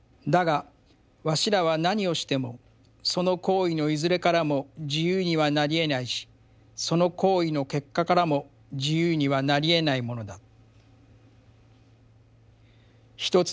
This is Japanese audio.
だがわしらは何をしてもその行為のいずれからも自由にはなりえないしその行為の結果からも自由にはなりえないものだ」。